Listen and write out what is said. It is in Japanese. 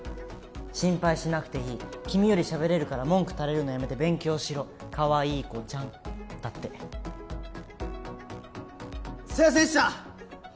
心配しなくていい君より喋れるから文句たれるのやめて勉強しろかわいい子ちゃんだってすいませんでした！